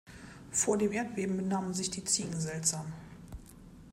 Vor dem Erdbeben benahmen sich die Ziegen seltsam.